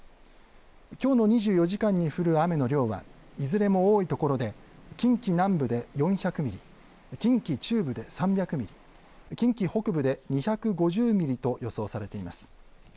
きょうの２４時間に降る雨の量はいずれも多いところで近畿南部で４００ミリ、近畿中部で３００ミリ、近畿北部で２５０ミリと予想されています。